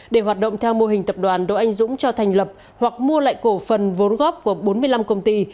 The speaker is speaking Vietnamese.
để hoạt động theo mô hình tập đoàn đỗ anh dũng cho thành lập hoặc mua lại cổ phần vốn góp của bốn mươi năm công ty